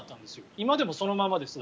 今でもそのままです。